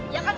iya kan bu